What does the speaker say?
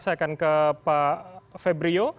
saya akan ke pak febrio